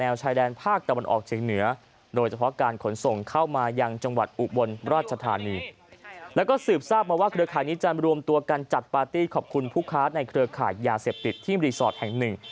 ว่าเครือขายนี้จะรวมตัวกันจัดปาร์ตี้ขอบคุณผู้ค้าในเครือขายยาเสพติดที่รีสอร์ทแห่งหนึ่ง